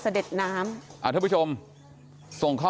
ก็ไม่มีอะไรต่อกัน